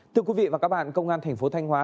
thưa quý vị và các bạn công an thành phố thanh hóa